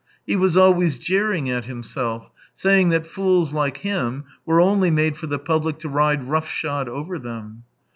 He was always jeering at himself, saying that fools like him were only made for the public to ride rough shod over them.